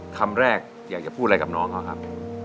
คำแรกอยากจะพูดอะไรกับน้องเขาครับ